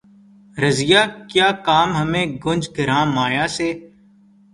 رضیہؔ کیا کام ہمیں گنج گراں مایہ سے